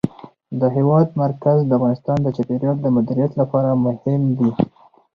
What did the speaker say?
د هېواد مرکز د افغانستان د چاپیریال د مدیریت لپاره مهم دي.